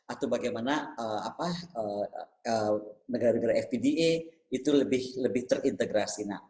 atau bagaimana negara negara fpda itu lebih terintegrasi